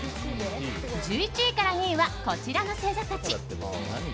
１１位から２位はこちらの星座たち。